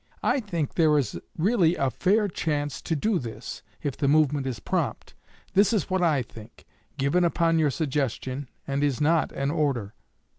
I think there is really a fair chance to do this, if the movement is prompt. This is what I think given upon your suggestion, and is not an order.'